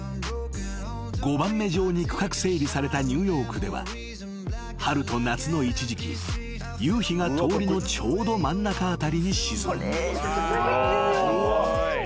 ［碁盤目状に区画整理されたニューヨークでは春と夏の一時期夕日が通りのちょうど真ん中辺りに沈む］